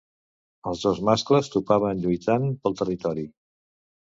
Els dos mascles topaven lluitant pel territori.